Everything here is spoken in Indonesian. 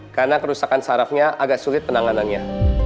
karena kerusakan sarafnya agak sulit penanganannya